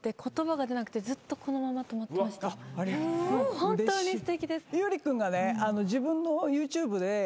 本当にすてきです！